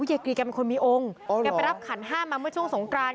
ยายกรีแกเป็นคนมีองค์แกไปรับขันห้ามาเมื่อช่วงสงกราน